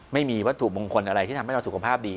ไม่มีวัตถุมงคลอะไรที่ทำให้เราสุขภาพดี